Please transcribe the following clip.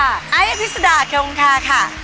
ไอ้อภิษฎาแควงคาค่ะ